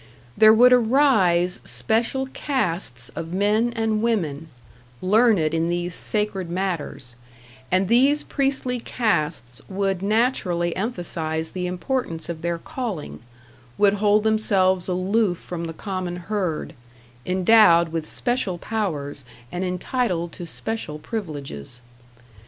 There would arise special castes of men and women, learned in these sacred matters; and these priestly castes would naturally emphasize the importance of their calling, would hold themselves aloof from the common herd, endowed with special powers and entitled to special privileges.